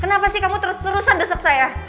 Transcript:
kenapa sih kamu terus terusan desak saya